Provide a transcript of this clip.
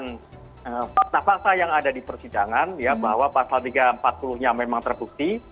nah fakta fakta yang ada di persidangan ya bahwa pasal tiga ratus empat puluh nya memang terbukti